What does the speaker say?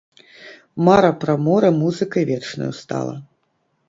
Мара пра мора музыкай вечнаю стала.